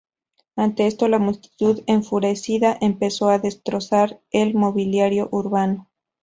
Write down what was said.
Ante esto, la multitud, enfurecida, empezó a destrozar el mobiliario urbano.